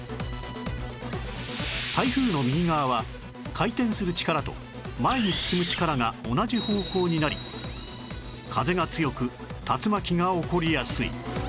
台風の右側は回転する力と前に進む力が同じ方向になり風が強く竜巻が起こりやすい